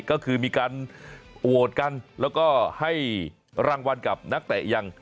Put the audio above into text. ก็คือมีการโหวตกันแล้วก็ให้รางวัลกับนักเตะอย่าง